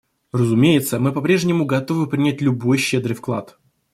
Разумеется, мы попрежнему готовы принять любой щедрый вклад.